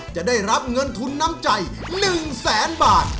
จะได้รับเงินทุนน้ำใจ๑แสนบาท